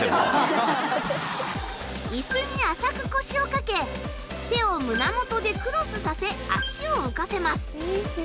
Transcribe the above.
椅子に浅く腰を掛け手を胸元でクロスさせ足を浮かせます。